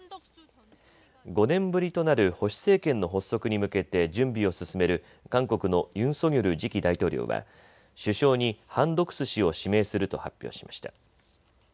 ５年ぶりとなる保守政権の発足に向けて準備を進める韓国のユン・ソギョル次期大統領は首相にハン・ドクス氏を指名すると発表しました。